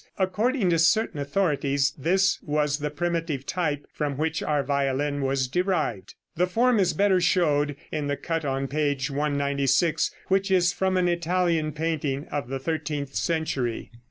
According to certain authorities this was the primitive type from which our violin was derived. The form is better shown in the cut on page 196, which is from an Italian painting of the thirteenth century.